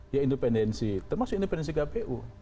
ya independensi termasuk independensi kpu